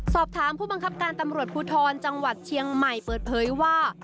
สอบถามผู้บังคับการตำรวจภูทรจังหวัดเชียงใหม่เปิดเผยว่า